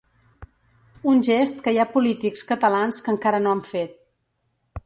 Un gest que hi ha polítics catalans que encara no han fet.